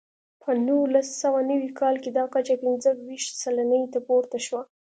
په نولس سوه نوي کال کې دا کچه پنځه ویشت سلنې ته پورته شوه.